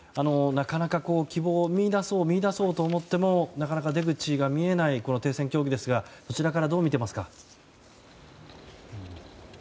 なかなか希望を見いだそう見いだそうと思ってもなかなか出口が見えない停戦協議ですがそちらからどう見ていますか。